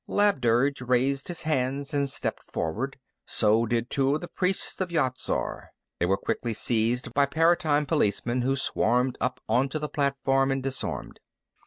Labdurg raised his hands and stepped forward. So did two of the priests of Yat Zar. They were quickly seized by Paratime Policemen who swarmed up onto the platform and disarmed.